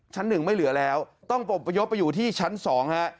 ชั้นหนึ่งไม่เหลือแล้วต้องอบพยพไปอยู่ที่ชั้น๒ฮะ